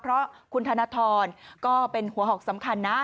เพราะคุณธนทรก็เป็นหัวหอกสำคัญนะ